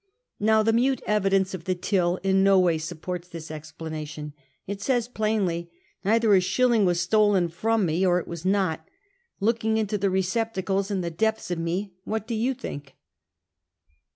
Now the mute evidence of the till in no way sup|)ort.s this explanation. Jt saj s plainly, "Either a shilling Avits stolen from me, or it was not. Looking into the receptacles and the depths of me, what do you think?"